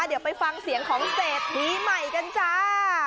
เดี๋ยวไปฟังเสียงของเศรษฐีใหม่กันจ้า